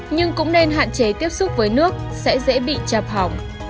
nhưng cũng nên hạn chế tiếp xúc với nước sẽ dễ bị chạp hỏng